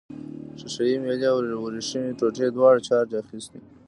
ښيښه یي میلې او وریښمينې ټوټې دواړو چارج اخیستی.